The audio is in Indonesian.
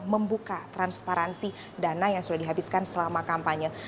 membuka transparansi dana yang sudah dihabiskan selama kampanye